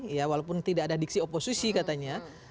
ya walaupun tidak ada diksi oposisi katanya